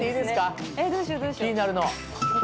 気になるの。